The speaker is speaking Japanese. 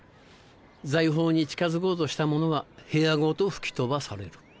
財宝に近づこうとした者は部屋ごと吹き飛ばされる。